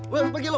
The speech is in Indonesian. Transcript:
bruh pergi lu